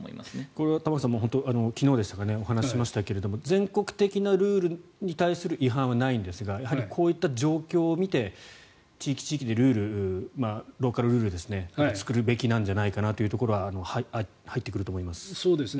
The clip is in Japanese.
これは玉川さん昨日でしたかねお話ししましたが全国的なルールに対する違反はないんですがやはりこういった状況を見て地域地域でローカルルールを作るべきなんじゃないかなというのは入ってくると思います。